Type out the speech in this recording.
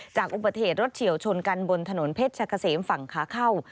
จากอุปเทศรถเฉียวชนกันบนถนนเพชรเกษมฝั่งคาเข้า